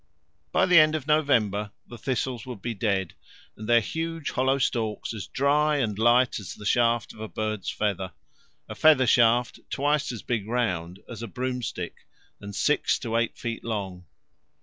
By the end of November the thistles would be dead, and their huge hollow stalks as dry and light as the shaft of a bird's feather a feather shaft twice as big round as a broomstick and six to eight feet long.